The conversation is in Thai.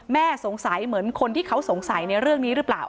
สงสัยเหมือนคนที่เขาสงสัยในเรื่องนี้หรือเปล่า